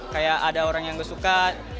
kayak ada orang yang gak suka